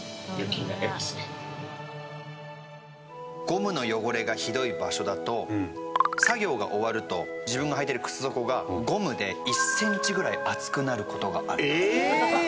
ゴムの汚れがひどい場所だと作業が終わると自分が履いてる靴底がゴムで１センチぐらい厚くなる事がある。えっ！？